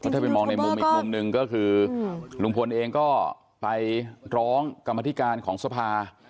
ถ้าไปมองในมุมอีกมุมหนึ่งก็คือลุงพลเองก็ไปร้องกรรมธิการของสภา